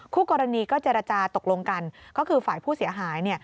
คู่กรณีก็เจรจาตกลงกันก็คือฝ่ายผู้เสียหาย